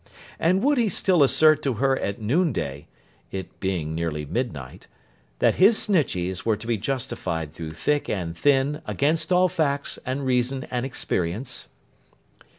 And would he still assert to her at noon day (it being nearly midnight), that his Snitcheys were to be justified through thick and thin, against all facts, and reason, and experience?